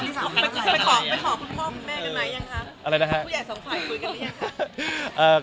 ผู้ใหญ่สองฝ่ายคุยกันหรือยัง